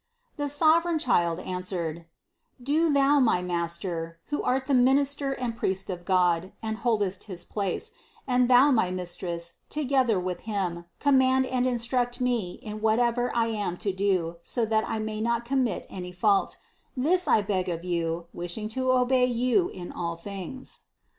The sovereign Child answered: "Do thou, my master, who art the minister and priest of God and boldest his place, and thou my Mistress together with him, command and instruct me in whatever I am to do so that I may not commit any fault : this I beg of you, wish ing to obey you in all things."